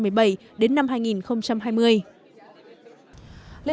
liên quan đến cuộc khủng hoảng người di cư